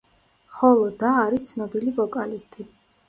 ხოლო და არის ცნობილი ვოკალისტი.